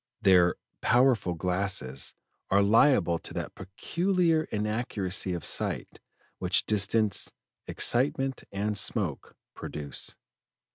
Their 'powerful glasses' are liable to that peculiar inaccuracy of sight which distance, excitement, and smoke produce.